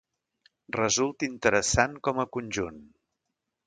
Resulta interessant com a conjunt.